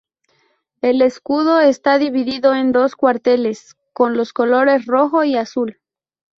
El escudo está dividido en dos cuarteles con los colores rojo y azul.